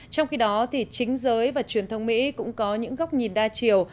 trong khi đó chính giới và truyền thông mỹ cũng có những góc nhìn đa chiều